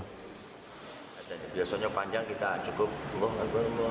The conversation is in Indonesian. biasanya panjang kita cukup